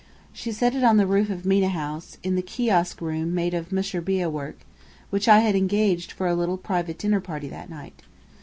She said it on the roof of Mena House, in the kiosk room made of mushrbiyeh work, which I had engaged for a little private dinner party that night.